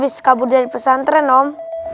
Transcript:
ya gue sih pengen pulang